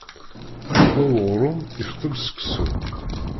Iggwa uɣṛum, iftel seksu.